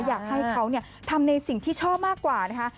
อยากให้เขาทำในสิ่งที่ชอบมากกว่านะคะ